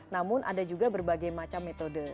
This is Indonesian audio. namun ada juga berbagai macam metode